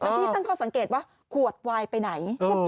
พี่ตั้งข้อสังเกตว่าขวดวายไปไหน